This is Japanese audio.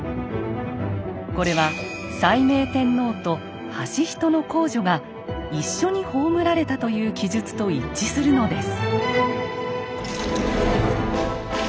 これは斉明天皇と間人皇女が一緒に葬られたという記述と一致するのです。